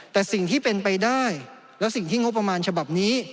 แต่สิ่งที่เป็นไปได้และสิ่งที่งบประมาณฉบับนี้